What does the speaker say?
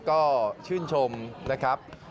ก็ชื่นชมนะครับ